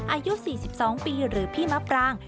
อายุ๔๒ปีหรือพี่มะปราง